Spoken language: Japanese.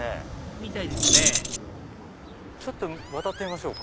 みたいですねちょっと渡ってみましょうか。